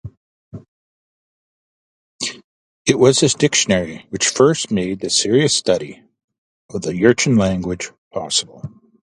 It was this dictionary which first made serious study of the Jurchen language possible.